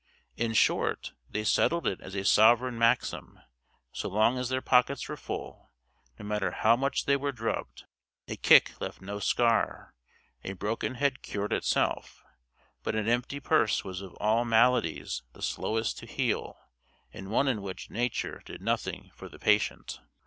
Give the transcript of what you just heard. In short, they settled it as a sovereign maxim, so long as their pockets were full, no matter how much they were drubbed. A kick left no scar; a broken head cured itself; but an empty purse was of all maladies the slowest to heal, and one in which nature did nothing for the patient.